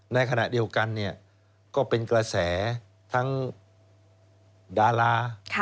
ในขณะเดียวกันเนี่ยก็เป็นกระแสทั้งดารา